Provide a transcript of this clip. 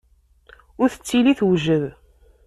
Ur tettili tewjed.